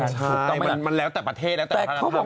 ใช่มันแล้วแต่ประเทศแล้วแต่ธนธรรม